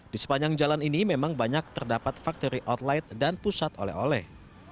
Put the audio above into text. di sepanjang jalan ini memang banyak terdapat factory outlet dan pusat oleh oleh